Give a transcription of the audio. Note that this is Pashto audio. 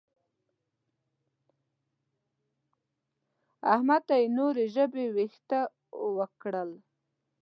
احمد ته مې نور ژبې وېښته وکړل.